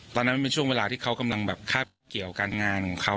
ตอนนั้นมันเป็นช่วงเวลาที่เขากำลังแบบคาบเกี่ยวการงานของเขา